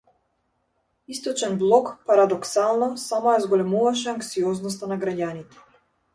Источен блок, парадоксално, само ја зголемуваше анксиозноста на граѓаните.